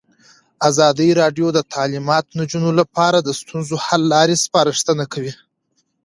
ازادي راډیو د تعلیمات د نجونو لپاره د ستونزو حل لارې سپارښتنې کړي.